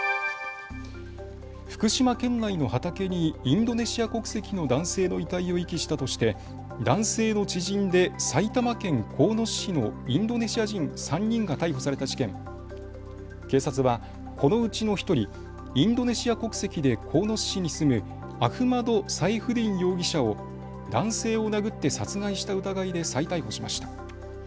福島県内の畑にインドネシア国籍の男性の遺体を遺棄したとして男性の知人で埼玉県鴻巣市のインドネシア人３人が逮捕された事件、警察はこのうちの１人、インドネシア国籍で鴻巣市に住むアフマド・サエフディン容疑者を男性を殴って殺害した疑いで再逮捕しました。